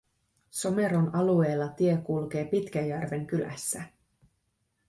Someron alueella tie kulkee Pitkäjärven kylässä